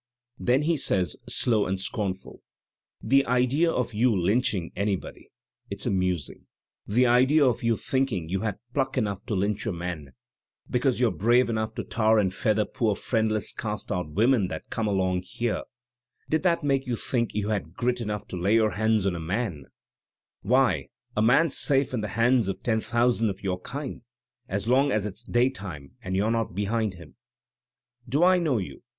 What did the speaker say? "Then he saysi slow and scornful: "* The idea of y(m lynching anybody ! It's amusing. The idea of you thinking you had pluck enough to lynch a man I Because you're brave enough to tar and feather poor friend less cast out women that come along here, did that make you think you had grit enough to lay your hands on a man f Why, a mmCs safe in the hands of ten thousand of your kind — as long as it's daytime and you're not behind him. "*Do I know you?